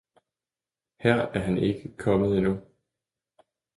Her er han ikke kommet endnu!